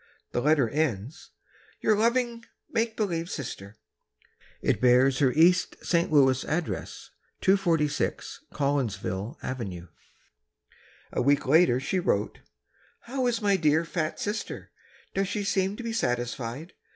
The letter ends, "Your loving make believe sister." It bears her East St. Louis address: 246 Collinsville Ave. A week later she wrote, "How is my little fat sister? Does she seem to be satisfied?